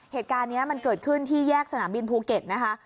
เหตุการณ์นี้มันเกิดขึ้นที่แยกสนามบินภูเก็ตนะคะ